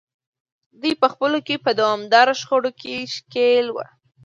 دوی په خپلو کې په دوامداره شخړو کې ښکېل وو.